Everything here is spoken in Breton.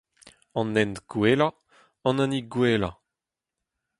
an hent gwellañ, an hini gwellañ